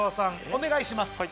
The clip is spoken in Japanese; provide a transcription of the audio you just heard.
お願いします。